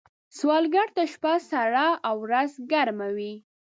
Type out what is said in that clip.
سوالګر ته شپه سړه او ورځ ګرمه وي